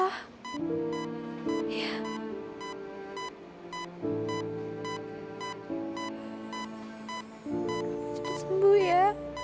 semoga sembuh ya